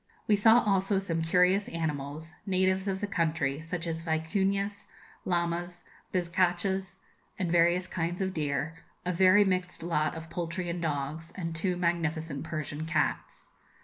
We saw also some curious animals, natives of the country, such as vicuñas, llamas, bizcachas, and various kinds of deer, a very mixed lot of poultry and dogs, and two magnificent Persian cats.